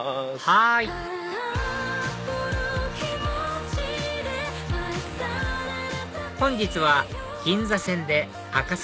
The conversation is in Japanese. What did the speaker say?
はい本日は銀座線で赤坂